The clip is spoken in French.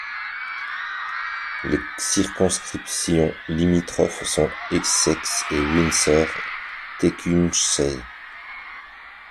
Les circonscriptions limitrophes sont Essex et Windsor—Tecumseh.